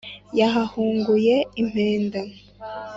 yahahunguye impenda,